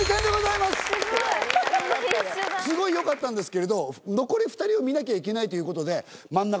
すごい良かったんですけれど。を見なきゃいけないということで。